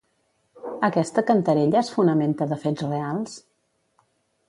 Aquesta cantarella es fonamenta de fets reals?